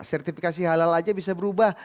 sertifikasi halal saja bisa berubah